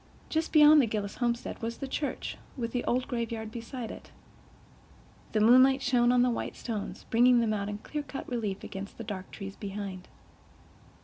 Just beyond the Gillis homestead was the church, with the old graveyard beside it. The moonlight shone on the white stones, bringing them out in clear cut relief against the dark trees behind.